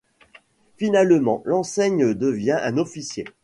Finalement l'enseigne devient un officier.